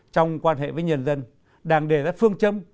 trong quan hệ với nhân dân đảng đề ra phương châm